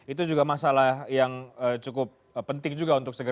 itu juga masalah yang cukup penting juga untuk segera